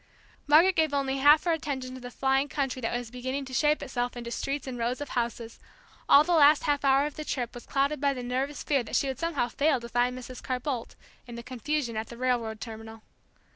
Margaret gave only half her attention to the flying country that was beginning to shape itself into streets and rows of houses; all the last half hour of the trip was clouded by the nervous fear that she would somehow fail to find Mrs. Carr Boldt in the confusion at the railroad terminal.